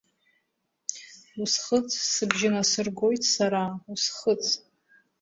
Усхыҵ, сыбжьы насыргоит сара, усхыҵ!